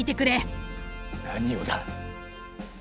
何をだ？